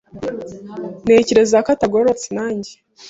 Ntekereza ko atagororotse nanjye.